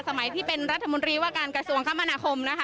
สมัยที่เป็นรัฐมนตรีว่าการกระทรวงคมนาคมนะคะ